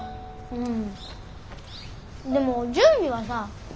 うん。